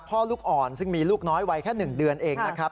ลูกอ่อนซึ่งมีลูกน้อยวัยแค่๑เดือนเองนะครับ